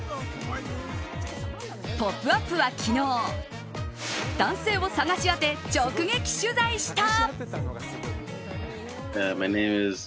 「ポップＵＰ！」は昨日男性を探し当て直撃取材した。